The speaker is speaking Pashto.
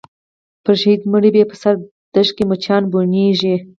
پر شهید مړي یې په سره دښت کي مچان بوڼیږي